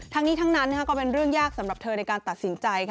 ทั้งนี้ทั้งนั้นก็เป็นเรื่องยากสำหรับเธอในการตัดสินใจ